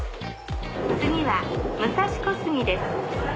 次は武蔵小杉です。